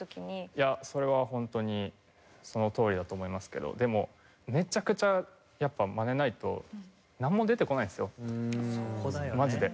いやそれは本当にそのとおりだと思いますけどでもめちゃくちゃやっぱマネないとなんも出てこないですよマジで。